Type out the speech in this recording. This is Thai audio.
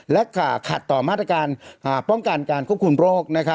และขัดต่อมาตรการป้องกันการควบคุมโรค